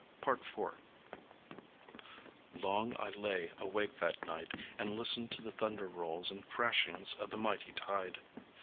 IV Long I lay awake that night, and listened to the thunder rolls and crashings of the mighty tide.